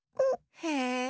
へえ！